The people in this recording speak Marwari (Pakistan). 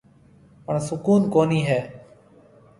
پڻ سُڪوُن ڪونِي هيَ۔